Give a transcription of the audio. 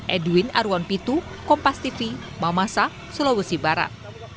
edwin arwan pitu kompas tv mamasa sulawesi barat